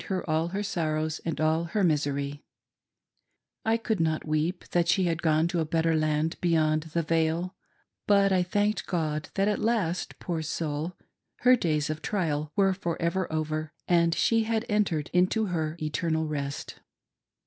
4O9 her all her sorrows and all her misery, I could not weep that she had gone to a better land beyond the veil, but I thanked God that at last, poor soul, her days of trial were for ever over and she had entered into her eternal rest.